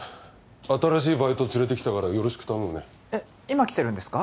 新しいバイト連れてきたからよろしく頼むねえ今来てるんですか？